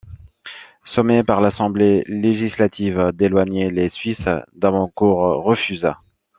Sommé par l’Assemblée législative d’éloigner les Suisses, d’Abancourt refusa.